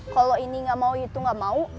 kalau ini nggak mau itu nggak mau